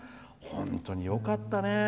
本当によかったね。